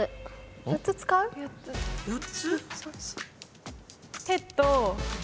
４つ？